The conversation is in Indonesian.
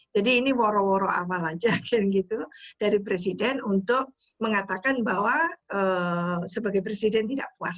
jadi ini woro woro awal saja dari presiden untuk mengatakan bahwa sebagai presiden tidak puas